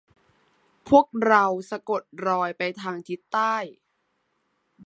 พวกเราสะกดรอยไปทางทิศใต้